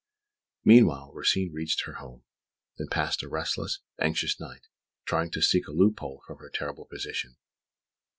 Meanwhile, Rosine reached her home, and passed a restless, anxious night, trying to seek a loophole from her terrible position.